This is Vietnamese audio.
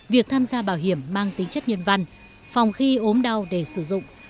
việc tham gia bảo hiểm mang tính chất nhân văn phòng khi ốm đau để sử dụng